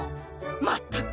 まったく！